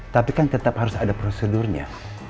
tapi kan tetap harus ada prosedurnya